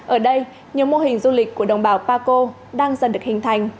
ở đây nhiều mô hình du lịch của đồng bào paco đang dần được hình thành